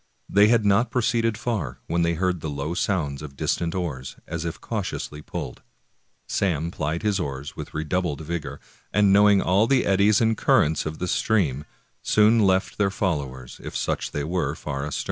They had not proceeded far when they heard the low sounds of distant oars, as if cautiously pulled. Sam plied his oars with redoubled vigor, and knowing all the eddies and currents of the stream, soon left their follow ers, if such they were, far astern.